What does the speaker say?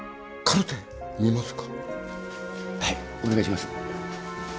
はいお願いします。